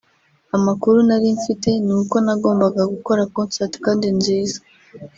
amakuru nari mfite ni uko nagombaga gukora concert kandi nziza